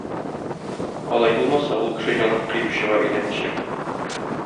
Алай булмаса, ул кеше җанын кыючыга әйләнәчәк